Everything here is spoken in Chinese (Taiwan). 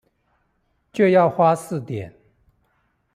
就要花四點